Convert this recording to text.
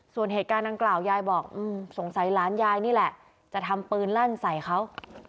ส่วนเหตุการณ์ดังกล่าวยายบอกสงสัยหลานยายนี่แหละจะทำปืนลั่นใส่เขา